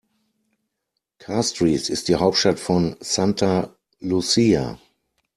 Castries ist die Hauptstadt von St. Lucia.